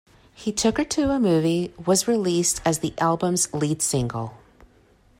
"He Took Her to a Movie" was released as the album's lead single.